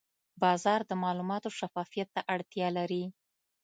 بازار د معلوماتو شفافیت ته اړتیا لري.